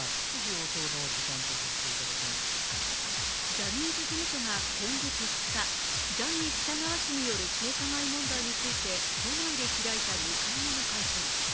ジャニーズ事務所が今月２日ジャニー喜多川氏による性加害問題について都内で開いた２回目の会見。